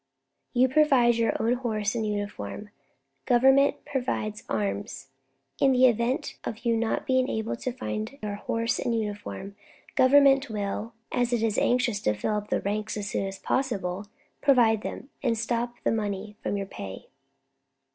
You provide your own horse and uniform. Government provides arms. In the event of your not being able to find your horse and uniform, Government will as it is anxious to fill up the ranks as soon as possible provide them, and stop the money from your pay."